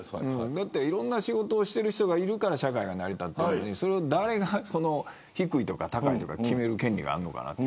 いろんな仕事をしている人がいるから、社会が成り立っていて誰が低いとか高いとか決める権利があるのか。